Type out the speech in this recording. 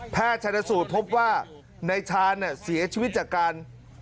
แพทย์ชันสูตรพบว่านายชานเสียชีวิตจากการ